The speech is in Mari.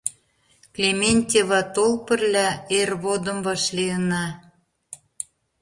Клементьева, тол пырля, эр водым вашлийына!